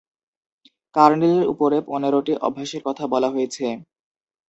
কার্নেলের উপরে পনেরটি অভ্যাসের কথা বলা হয়েছে।